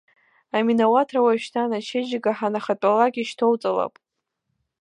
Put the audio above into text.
Аминауаҭра уажәшьҭан, ачеиџьыка ҳанахатәалак, ишьҭоуҵалап.